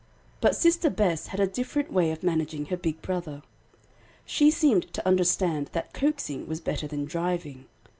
But Sister Bess had a different way of managing her big brother. She seemed to understand that coaxing was better than driving.